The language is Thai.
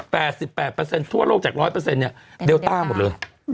แปดสิบแปดเปอร์เซ็นทั่วโลกจากร้อยเปอร์เซ็นต์เดลต้าหมดเลย